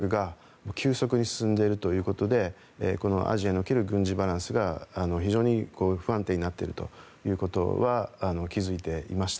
少なくとも専門家の間では中国の軍拡が急速に進んでいるということでアジアにおける軍事バランスが非常に不安定になっているということは気づいていました。